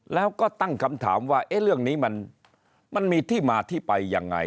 แล้วก็ตั้งคำถามว่าเรื่องนี้มันมีที่มาที่ไปยังไง